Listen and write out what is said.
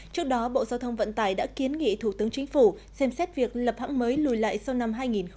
trước đó bộ giao thông vận tải đã kiến nghị thủ tướng chính phủ xem xét việc lập hãng mới lùi lại sau năm hai nghìn hai mươi